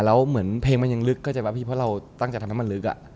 แล้วเหมือนเพลงมันยังลึกเพราะเราตั้งจากทำมันลึกอะ